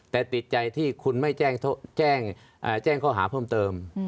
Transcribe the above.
แต่ติดใจที่คุณไม่แจ้งข้อหาเพิ่มเติม